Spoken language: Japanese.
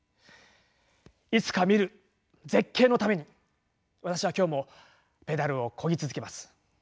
いつか見る絶景のために私は今日もペダルをこぎ続けます。